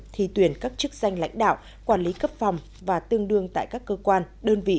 thi tuyển các chức danh lãnh đạo quản lý cấp phòng và tương đương tại các cơ quan đơn vị